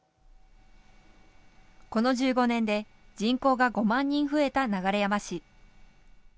この１５年で人口が５万人増えた流山市。